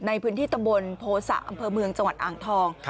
ในพื้นที่ตำบลโภษะอำเภอเมืองจังหวัดอ่างทอง